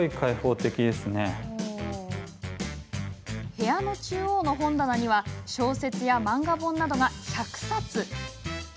部屋の中央の本棚には小説や漫画本などが１００冊。